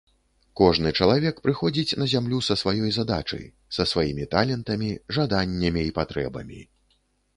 Кожны чалавек прыходзіць на зямлю са сваёй задачай, са сваімі талентамі, жаданнямі і патрэбамі.